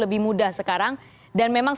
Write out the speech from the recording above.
lebih mudah sekarang dan memang